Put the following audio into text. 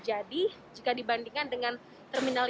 jadi jika dibandingkan dengan terminal tiga